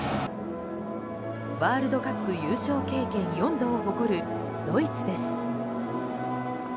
ワールドカップ優勝経験４度を誇るドイツです。